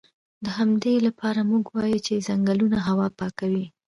د همدې لپاره موږ وایو چې ځنګلونه هوا پاکوي